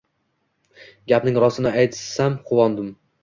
Gapning rostini aytsam quvondim